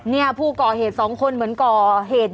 นี่ผู้ก่อเหตุ๒คนเหมือนก่อเหตุ